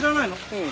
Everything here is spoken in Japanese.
うん。